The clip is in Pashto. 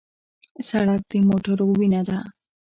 سړک د موټرو وینه ده.